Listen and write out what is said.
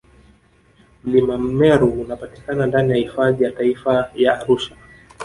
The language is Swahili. mlima meru unapatikana ndani ya hifadhi ya taifa ya arusha